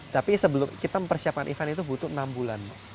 tapi sebelum kita mempersiapkan event itu butuh enam bulan